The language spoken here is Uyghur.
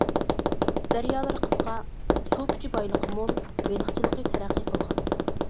دەريالىرى قىسقا، سۇ كۈچى بايلىقى مول، بېلىقچىلىقى تەرەققىي قىلغان.